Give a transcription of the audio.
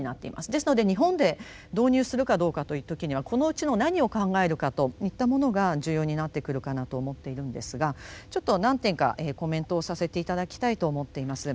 ですので日本で導入するかどうかという時にはこのうちの何を考えるかといったものが重要になってくるかなと思っているんですがちょっと何点かコメントをさせて頂きたいと思っています。